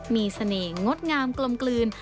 มีเสน่ห์งดงามกลมกลืน